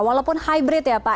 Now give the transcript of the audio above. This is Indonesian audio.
walaupun hybrid ya pak